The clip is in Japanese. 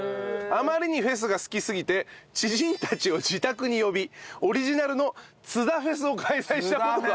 あまりにフェスが好きすぎて知人たちを自宅に呼びオリジナルの「ツダフェス」を開催した事があるという。